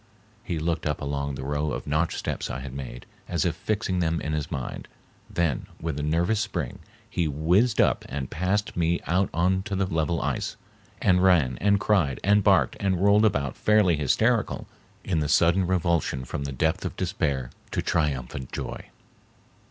He looked up along the row of notched steps I had made, as if fixing them in his mind, then with a nervous spring he whizzed up and passed me out on to the level ice, and ran and cried and barked and rolled about fairly hysterical in the sudden revulsion from the depth of despair to triumphant joy.